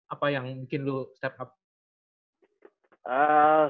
apa yang bikin lu step up